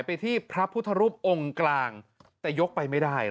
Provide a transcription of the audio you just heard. ไปที่พระพุทธรูปองค์กลางแต่ยกไปไม่ได้